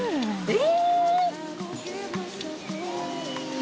え！